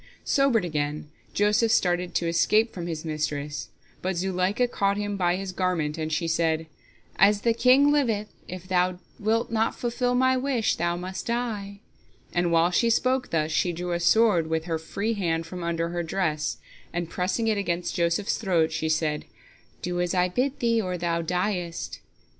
Sobered again, Joseph started to escape from his mistress, but Zuleika caught him by his garment, and she said: "As the king liveth, if thou wilt not fulfil my wish, thou must die," and while she spoke thus, she drew a sword with her free hand from under her dress, and, pressing it against Joseph's throat, she said, "Do as I bid thee, or thou diest."